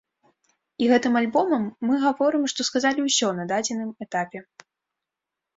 І гэтым альбомам мы гаворым, што сказалі ўсё на дадзеным этапе.